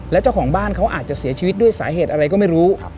แล้วเจ้าของบ้านเขาอาจจะเสียชีวิตด้วยสาเหตุอะไรก็ไม่รู้